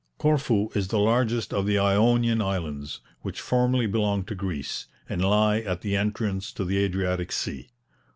Corfu is the largest of the Ionian Islands, which formerly belonged to Greece, and lie at the entrance to the Adriatic sea.